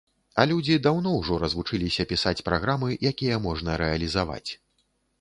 А людзі даўно ўжо развучыліся пісаць праграмы, якія можна рэалізаваць.